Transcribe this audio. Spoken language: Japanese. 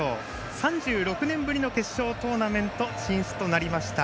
３６年ぶりの決勝トーナメント進出となりました。